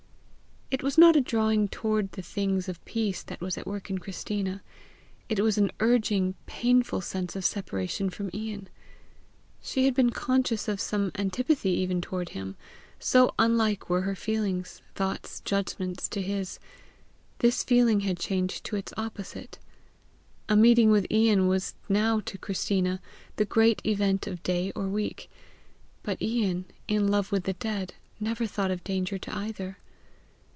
It was not a drawing toward the things of peace that was at work in Christina: it was an urging painful sense of separation from Ian. She had been conscious of some antipathy even toward him, so unlike were her feelings, thoughts, judgments, to his: this feeling had changed to its opposite. A meeting with Ian was now to Christina the great event of day or week; but Ian, in love with the dead, never thought of danger to either.